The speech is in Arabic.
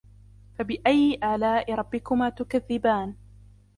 فَبِأَيِّ آلاء رَبِّكُمَا تُكَذِّبَانِ